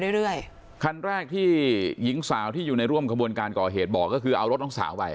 รายงานแรกที่หญิงสาวที่อยู่ในร่วมกระบวนการก่อเหตุบ่อก็คือเอารถน้องสาวไป